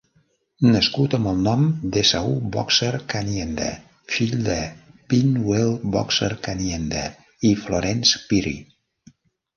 Nascut amb el nom d'Esau Boxer Kanyenda, fill de Binwell Boxer Kanyenda i Florence Phiri.